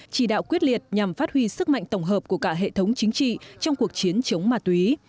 chỉ đạo quyết liệt nhằm phát huy sức mạnh tổng hợp của cả hệ thống chính trị trong cuộc chiến chống ma túy